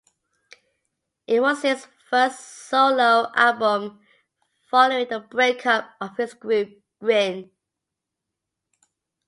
It was his first solo album, following the breakup of his group, Grin.